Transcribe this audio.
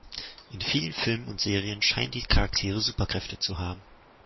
In vielen Filmen und Serien scheinen die Charaktere Superkräfte zu haben.